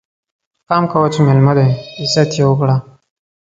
پام کوه چې ميلمه دی، عزت يې وکړه!